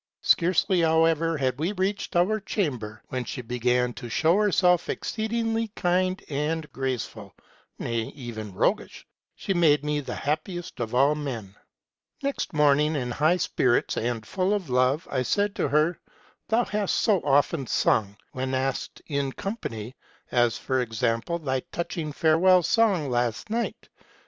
Scarcely, however, had we reached our chamber, when she began to show herself exceedingly kind and graceful, ŌĆö nay, even roguish : she made me the happiest of all men. Next morning, in high spirits and full of love, I said to her, ' Thou hast so often sung, when asked in company ; as, for example, thy touching farewell song last night.